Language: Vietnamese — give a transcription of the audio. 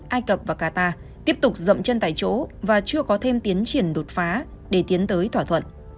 ai cập và qatar tiếp tục dậm chân tại chỗ và chưa có thêm tiến triển đột phá để tiến tới thỏa thuận